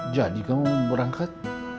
jadi kamu berangkat